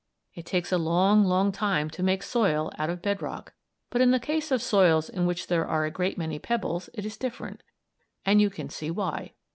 It takes a long, long time to make soil out of bed rock, but in the case of soils in which there are a great many pebbles it is different; and you can see why.